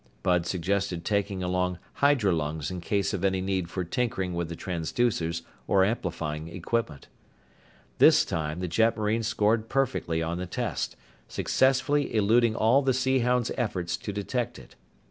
Bud suggested taking along hydrolungs in case of any need for tinkering with the transducers or amplifying equipment. This time, the jetmarine scored perfectly on the test, successfully eluding all the Sea Hound's efforts to detect it.